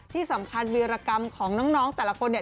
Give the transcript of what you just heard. ที่สำคัญเวียรกรรมของน้องแต่ละคน